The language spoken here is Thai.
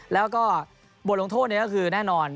แล้วก็บทลงโทษนี้ก็คือแน่นอน